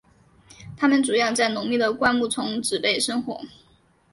它们主要在浓密的灌木丛植被生活。